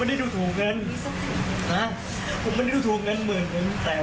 แต่ถ้าเป็นไปได้เงินผมก็อยากได้